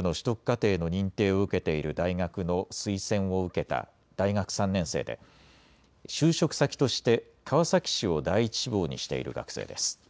課程の認定を受けている大学の推薦を受けた大学３年生で就職先として川崎市を第１志望にしている学生です。